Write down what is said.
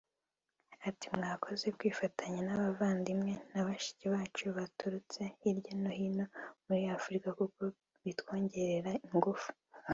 Ati “Mwakoze kwifatanya n’abavandimwe na bashiki bacu baturutse hirya no hino muri Afurika kuko bitwongerera ingufu